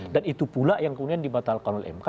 dan itu pula yang kemudian dibatalkan oleh mk